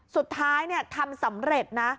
สุดท้ายเนี่ยทำสำเร็จนะ